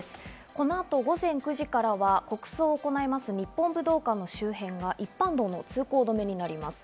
このあと午前９時からは国葬を行います日本武道館の周辺が一般道の通行止めになります。